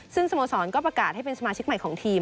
ซึ่งสโมสรก็ประกาศให้เป็นสมาชิกใหม่ของทีม